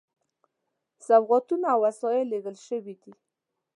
سوغاتونه او وسایل لېږل شوي دي.